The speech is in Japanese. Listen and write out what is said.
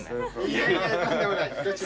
いやいやとんでもない。